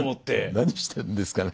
何してんですかね。